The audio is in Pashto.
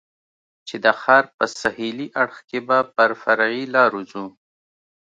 چې د ښار په سهېلي اړخ کې به پر فرعي لارو ځو.